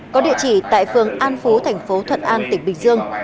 có địa chỉ tại phường an phú thành phố thuận an tỉnh bình dương